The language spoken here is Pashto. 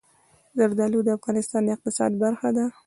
زردالو د افغانستان د اقتصاد برخه ده.